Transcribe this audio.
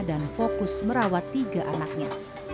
dan fokus merawat tiga anaknya